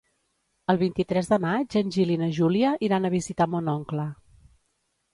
El vint-i-tres de maig en Gil i na Júlia iran a visitar mon oncle.